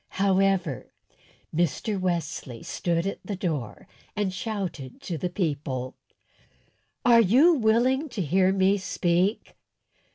However, Mr. Wesley stood at the door and shouted to the people: "Are you willing to hear me speak?"